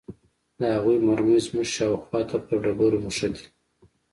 د هغوى مرمۍ زموږ شاوخوا ته پر ډبرو مښتې.